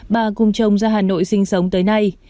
bà cùng chồng ra hà nội sinh sống tới nay